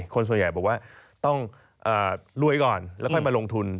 คนส่วนใหญ่บอกว่าต้องรวยก่อนแล้วค่อยมาลงทุน